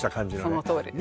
そのとおりです